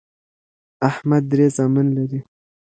احمد درې زامن لري